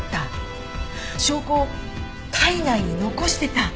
証拠を体内に残してた！